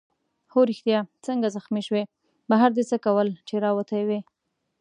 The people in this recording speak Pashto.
هو ریښتیا څنګه زخمي شوې؟ بهر دې څه کول چي راوتی وې؟